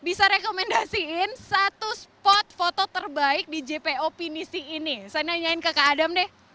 bisa rekomendasiin satu spot foto terbaik di jpo pinisi ini saya nanyain ke kak adam deh